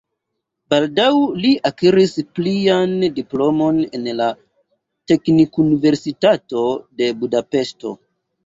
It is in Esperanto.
Baldaŭ li akiris plian diplomon en la Teknikuniversitato de Budapeŝto.